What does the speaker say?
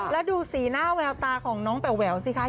แล้วดูสีหน้าแววตาของน้องแป๋วสิคะ